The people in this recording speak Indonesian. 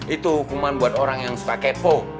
itu hukuman buat orang yang suka kevo